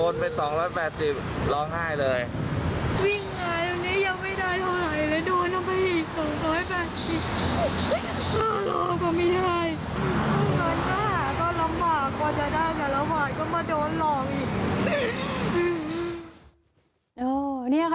ตกลงมาโดนหล่องอีก